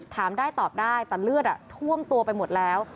ถามได้ตอบได้แต่เลือดท่วมตัวไปหมดแล้ว